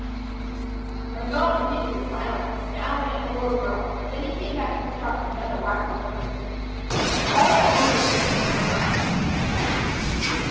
For a moment the teacher was silent, scowling down at the little girl. Then he came back to the chart with another whack of the pointer. "Call it Moses," he growled.